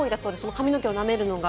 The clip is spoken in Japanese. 髪の毛をなめるのは。